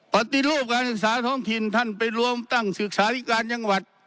ปฏิรูปการศึกษาท้องถิ่นท่านไปรวมตั้งศึกษาธิการจังหวัด